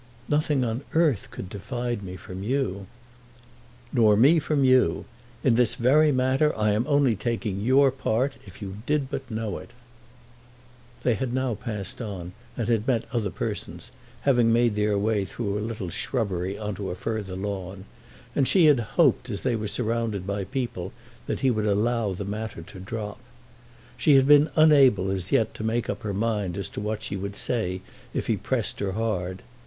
"Nothing on earth could divide me from you." "Nor me from you. In this very matter I am only taking your part, if you did but know it." They had now passed on, and had met other persons, having made their way through a little shrubbery on to a further lawn; and she had hoped, as they were surrounded by people, that he would allow the matter to drop. She had been unable as yet to make up her mind as to what she would say if he pressed her hard.